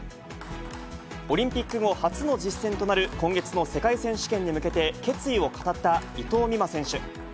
オリンピック後初の実戦となる、今月の世界選手権に向けて決意を語った伊藤美誠選手。